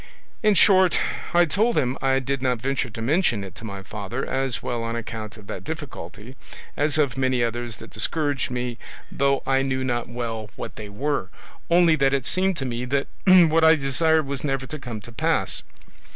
In short, I told him I did not venture to mention it to my father, as well on account of that difficulty, as of many others that discouraged me though I knew not well what they were, only that it seemed to me that what I desired was never to come to pass.